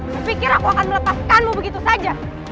kufikir aku akan melepaskanmu begitu saja